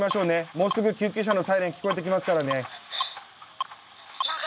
もうすぐ救急車のサイレン聞こえてきますからね。